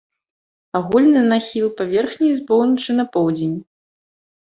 Агульны нахіл паверхні з поўначы на поўдзень.